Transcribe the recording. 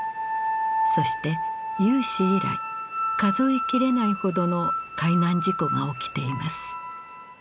そして有史以来数えきれないほどの海難事故が起きています。